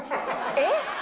えっ！